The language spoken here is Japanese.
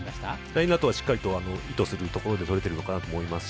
ラインアウトは意図するところでとれているのかなと思います。